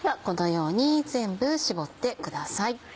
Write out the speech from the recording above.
このように全部絞ってください。